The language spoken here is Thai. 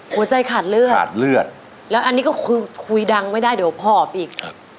หัวใจขาดเลือดแล้วอันนี้ก็คุยดังไม่ได้เดี๋ยวพ่อออกอีก